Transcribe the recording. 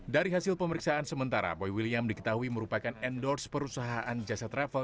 dari hasil pemeriksaan sementara boy william diketahui merupakan endorse perusahaan jasa travel